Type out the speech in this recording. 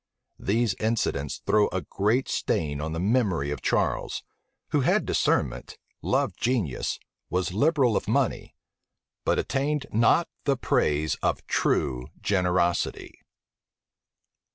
These incidents throw a great stain on the memory of Charles; who had discernment, loved genius, was liberal of money, but attained not the praise of true generosity.